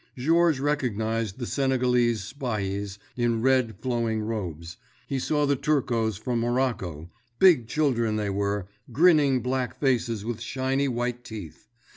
Georges recognized the Senegalese spahis in red flowing robes, he saw the Turcos from Morocco—big children they were, grinning black faces with shiny white teeth.